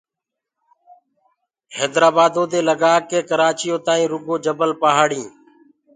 هيدرآبآدو دي لگآڪي ڪرآچيو تآئينٚ رگو جبل پهآڙينٚ